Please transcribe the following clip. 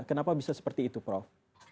kenapa bisa seperti itu prof